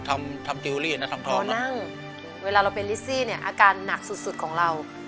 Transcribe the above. ทำทำทำพอนั่งเวลาเราเป็นเนี่ยอาการหนักสุดสุดของเรา